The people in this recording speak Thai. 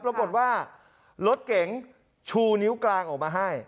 ระบบบอกว่ารถเก๋งชู้นิ้วกลางออกมาให้